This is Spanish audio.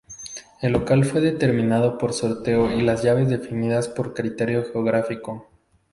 El local fue determinado por sorteo y las llaves definidas por criterio geográfico.